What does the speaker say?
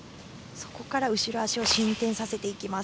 そこから後ろ足を進展させていきます。